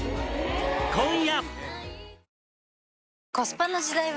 今夜！